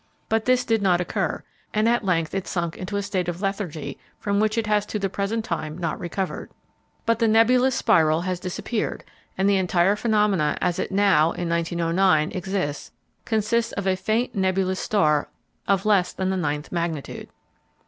But this did not occur, and at length it sunk into a state of lethargy from which it has to the present time not recovered. But the nebulous spiral has disappeared, and the entire phenomena as it now (1909) exists consists of a faint nebulous star of less than the ninth magnitude.